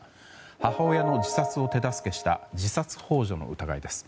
母親の自殺を手助けした自殺幇助の疑いです。